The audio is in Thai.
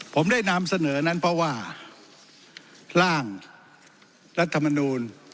ผมได้นำเสนอนั้นเพราะว่าร่างรัฐมนูล